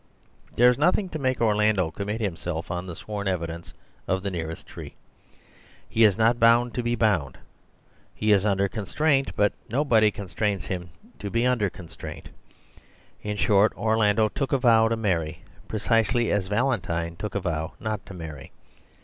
There is nothing to make Orlando commit himself on the sworn evidence of the nearest tree. He is not bound to be bound; he is under constraint, but no body constrains him to be under constraint. In short, Orlando took a vow to marry pre cisely as Valentine took a vow not to marry.